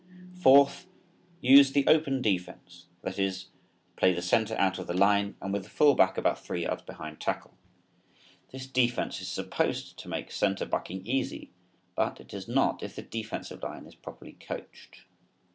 Fourth, use the open defense (Fig. 5); that is, play the center out of the line and with the full back about three yards behind tackle. This defense is supposed to make center bucking easy, but it does not if the defensive line is properly coached.